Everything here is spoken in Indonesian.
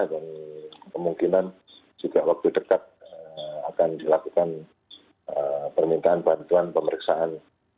dan kemungkinan juga waktu dekat akan dilakukan permintaan bantuan pemeriksaan